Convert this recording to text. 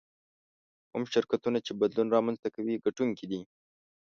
کوم شرکتونه چې بدلون رامنځته کوي ګټونکي دي.